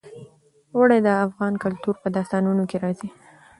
اوړي د افغان کلتور په داستانونو کې راځي.